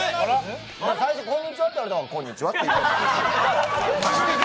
最初、こんにちはって言われたからこんにちはって。